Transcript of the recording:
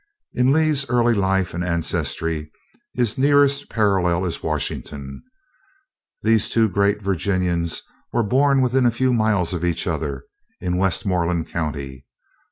In Lee's early life and ancestry his nearest parallel is Washington. These two greatest Virginians were born within a few miles of each other, in Westmoreland County.